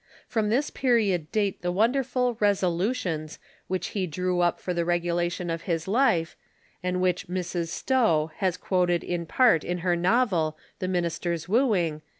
From this period date the wonderful "resolutions" which he drew up for the regulation of his life, and which Mrs. Stowe has quoted in part in her novel, " The Minister's Wooing " (ch.